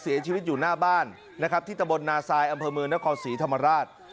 เสียชีวิตอยู่หน้าบ้านนะครับที่ตะบลนาซายอำเภอเมืองนครศรีธรรมราช